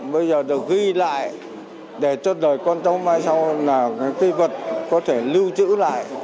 bây giờ được ghi lại để cho đời con cháu mai sau là cây vật có thể lưu trữ lại